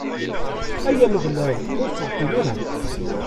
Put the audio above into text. Ay Ameɣlal, ur ttɛeṭṭil ara!